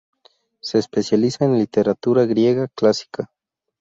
Se especializa en literatura griega clásica.